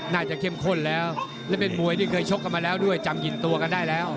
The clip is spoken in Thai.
เข้มข้นแล้วและเป็นมวยที่เคยชกกันมาแล้วด้วยจำกินตัวกันได้แล้ว